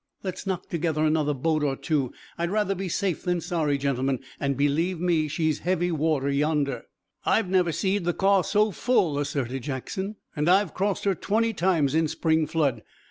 Let's knock together another boat or two. I'd rather be safe than sorry, gentlemen; and believe me, she's heavy water yonder." "I've never seed the Kaw so full," asserted Jackson, "an' I've crossed her twenty times in spring flood.